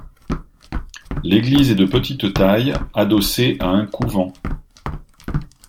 L'église, est de petite taille, adossée à un couvent.